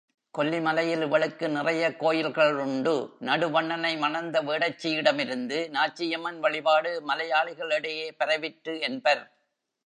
கொல்லி மலையில் இவளுக்கு நிறையக் கோயில்களுண்டு, நடுவண்ணனை மணந்த வேடச்சியிடமிருந்து, நாச்சியம்மன் வழிபாடு மலையாளிகளிடையே பரவிற்று என்பர்.